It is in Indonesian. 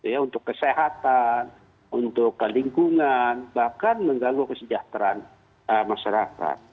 ya untuk kesehatan untuk lingkungan bahkan mengganggu kesejahteraan masyarakat